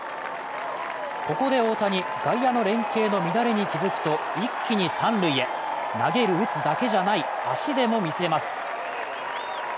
ここで大谷、外野の連係の乱れに気づくと一気に三塁へ、投げる打つだけじゃない、足でも見せます。